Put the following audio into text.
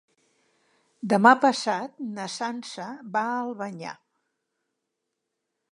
Demà passat na Sança va a Albanyà.